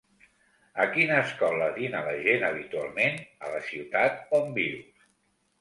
A quina escola dina la gent habitualment a la ciutat on vius?